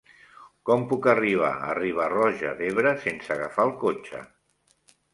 Com puc arribar a Riba-roja d'Ebre sense agafar el cotxe?